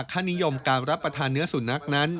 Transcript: ค่านิยมการรับประทานเนื้อสุนัขนั้น